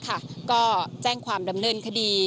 ก็แจ้งความดำเนินคดี